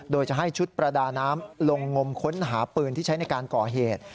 โดยจะให้ชุดประดาน้ำลงงมค้นหาปืนที่ใช้ในการก่อเหตุ